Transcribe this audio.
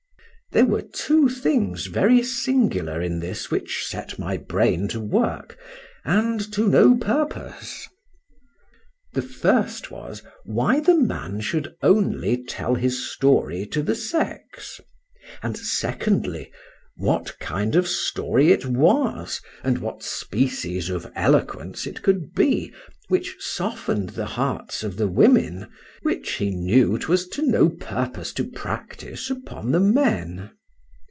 There were two things very singular in this, which set my brain to work, and to no purpose:—the first was, why the man should only tell his story to the sex;—and, secondly,—what kind of story it was, and what species of eloquence it could be, which soften'd the hearts of the women, which he knew 'twas to no purpose to practise upon the men.